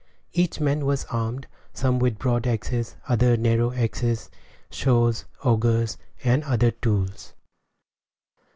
Each man was armed, some with broad axes, others narrow axes, saws, augers, and other tools.